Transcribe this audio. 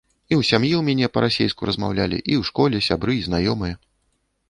І ў сям'і ў мяне па-расейску размаўлялі, і ў школе сябры і знаёмыя.